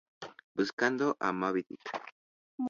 Buscando a Moby Dick".